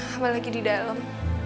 apa lagi di dalam